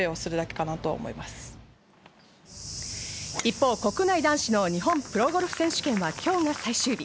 一方、国内男子の日本プロゴルフ選手権は今日が最終日。